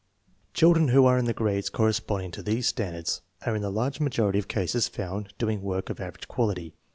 Children who are in grades corresponding to these standards are in the large majority of cases found doing work of average quality.